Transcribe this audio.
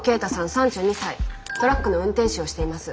３２歳トラックの運転手をしています。